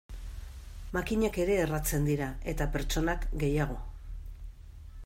Makinak ere erratzen dira, eta pertsonak gehiago.